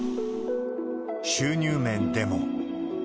収入面でも。